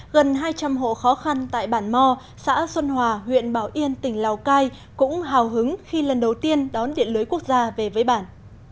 gần hai trăm linh hộ khó khăn tại bản mò xã xuân hòa huyện bảo yên tỉnh lào cai cũng hào hứng khi lần đầu tiên đón điện lưới quốc gia về với bản